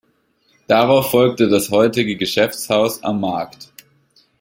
Darauf folgte das heutige Geschäftshaus am Markt.